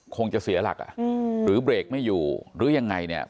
คงจะเสียหลักอ่ะหรือเบรกไม่อยู่หรือยังไงเนี่ย